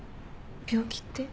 病気って？